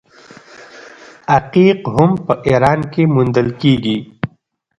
عقیق هم په ایران کې موندل کیږي.